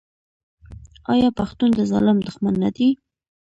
آیا پښتون د ظالم دښمن نه دی؟